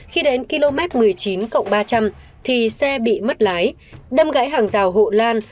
khi đến km một mươi chín cộng ba trăm linh thì xe bị mất lái đâm gãy hàng rào hộ lan